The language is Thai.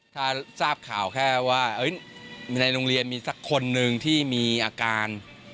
ถ้าทราบข่าวแค่ว่าในโรงเรียนมีสักคนหนึ่งที่มีอาการ